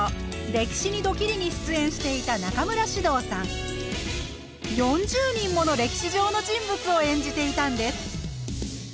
「歴史にドキリ」に出演していた４０人もの歴史上の人物を演じていたんです！